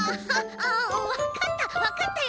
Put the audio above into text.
あわかった！